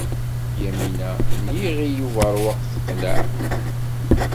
Yamina n Yiɣil Ubeṛwaq teqleɛ.